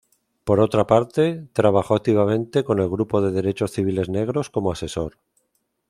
Por otra parte, trabajó activamente con el grupo de Derechos Civiles Negros como asesor.